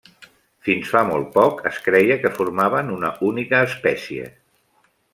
Fins fa molt poc, es creia que formaven una única espècie.